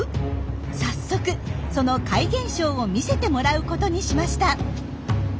早速その怪現象を見せてもらうことにしました。